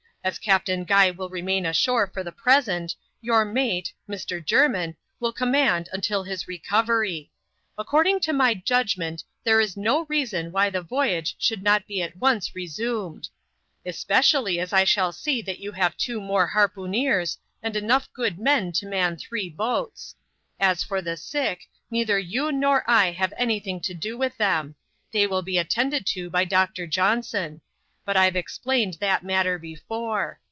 As Captain Guy will remain ashore for the pre sent, your mate, Mr. Jermin, will conmiand until his recovery. According to my judgment, there is no reason why the voyage should not be at once resumed ; especially as I shall see that you have two more harpooneers, and enough good men to man three boats. As for the sick, neither you nor I have anything to do with them ; they will be attended to by Doctor Johnson ; but I've explained that matter before.